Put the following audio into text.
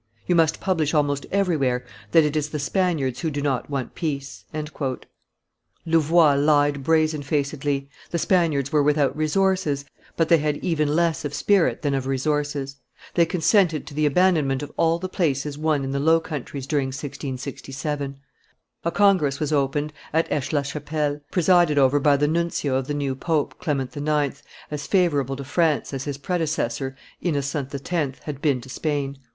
You must publish almost everywhere that it is the Spaniards who do not want peace." Louvois lied brazenfacedly; the Spaniards were without resources, but they had even less of spirit than of resources; they consented to the abandonment of all the places won in the Low Countries during 1667. A congress was opened at Aix la Chapelle, presided over by the nuncio of the new pope, Clement IX., as favorable to France as his predecessor, Innocent X., had been to Spain.